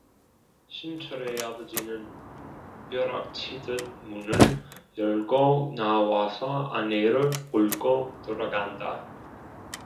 신철의 아버지는 벼락치듯 문을 열고 나와서 아내를 끌고 들어간다.